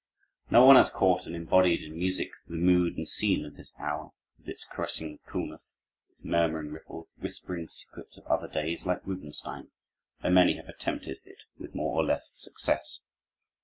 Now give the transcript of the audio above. No one has caught and embodied in music the mood and scene of this hour, with its caressing coolness, its murmuring ripples, whispering secrets of other days, like Rubinstein, though many have attempted it with more or less success.